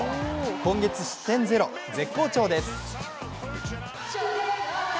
今月、失点ゼロ、絶好調です。